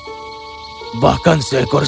bahkan seekor harimau yang perkasa sepertimu